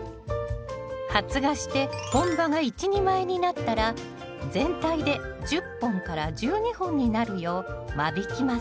発芽して本葉が１２枚になったら全体で１０本１２本になるよう間引きます